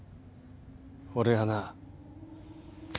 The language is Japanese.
俺はな。